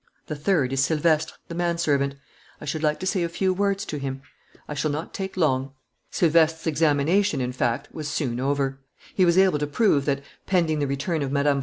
The third is Silvestre, the manservant. I should like to say a few words to him. I shall not take long." Silvestre's examination, in fact, was soon over. He was able to prove that, pending the return of Mme.